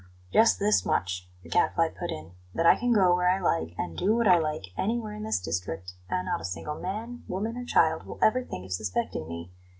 "Just this much," the Gadfly put in; "that I can go where I like and do what I like anywhere in this district, and not a single man, woman, or child will ever think of suspecting me.